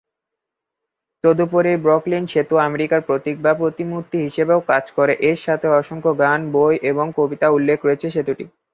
তদুপরি, ব্রুকলিন সেতু আমেরিকার প্রতীক বা প্রতিমূর্তি হিসাবেও কাজ করে, এর সাথে অসংখ্য গান, বই এবং কবিতা উল্লেখ রয়েছে সেতুটি।